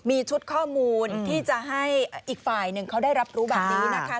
มีชุดข้อมูลที่จะให้อีกฝ่ายหนึ่งเขาได้รับรู้แบบนี้นะคะ